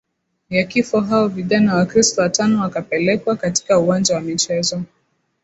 ya kifo Hao vijana Wakristo watano wakapelekwa katika uwanja wa michezo